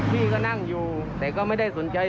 พี่ก็นั่งอยู่แต่ก็ไม่ได้สนใจ